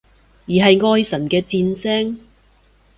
而係愛神嘅箭聲？